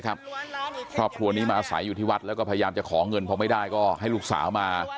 ครอบครัวนี้มาอาศัยอยู่ที่วัดแล้วก็พยายามจะขอเงินพอไม่ได้ก็ให้ลูกสาวมา